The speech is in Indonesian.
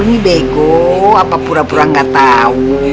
ini bego apa pura pura nggak tahu